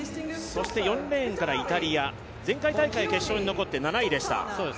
４レーンからイタリア、前回大会決勝に残って７位でした。